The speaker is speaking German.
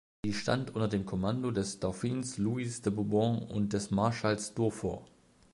Sie stand unter dem Kommando des Dauphins Louis de Bourbon und des Marschalls Durfort.